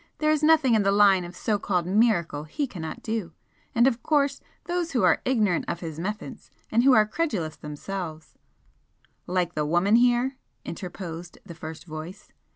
There is nothing in the line of so called miracle he cannot do, and of course those who are ignorant of his methods, and who are credulous themselves " "Like the woman here," interposed the first voice.